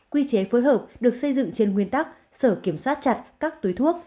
quy chế phối hợp được xây dựng trên nguyên tắc sở kiểm soát chặt các túi thuốc